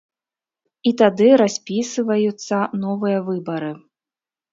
І тады распісываюцца новыя выбары.